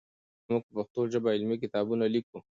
موږ په پښتو ژبه علمي کتابونه لیکو.